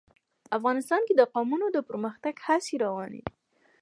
افغانستان کې د قومونه د پرمختګ هڅې روانې دي.